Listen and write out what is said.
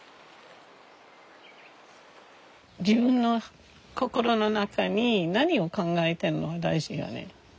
自分の心の中に何を考えてるの大事よね。